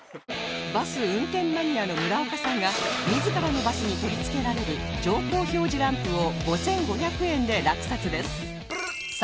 バス運転マニアの村岡さんが自らのバスに取り付けられる乗降表示ランプを５５００円で落札です